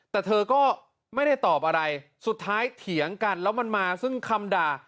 แต่เธอก็ไม่ได้ตอบอะไรสุดท้ายเถียงกันแล้วมันมาซึ่งคำด่า